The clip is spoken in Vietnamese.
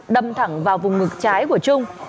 đâm thẳng vào vùng ngực trái của trung